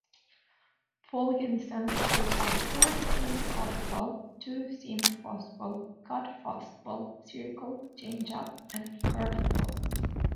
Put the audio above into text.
Vogelsong throws a four-seam fastball, two-seam fastball, cut fastball, circle changeup, and curveball.